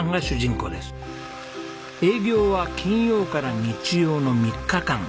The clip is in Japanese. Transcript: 営業は金曜から日曜の３日間。